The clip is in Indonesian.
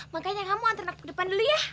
makanya kamu antar anak ke depan dulu ya